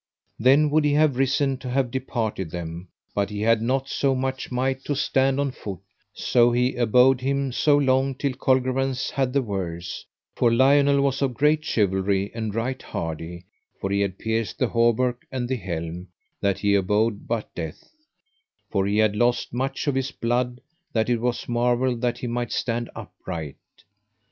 Then would he have risen to have departed them, but he had not so much might to stand on foot; so he abode him so long till Colgrevance had the worse, for Lionel was of great chivalry and right hardy, for he had pierced the hauberk and the helm, that he abode but death, for he had lost much of his blood that it was marvel that he might stand upright.